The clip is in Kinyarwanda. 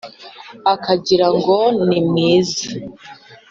akagira ngo ni mwiza,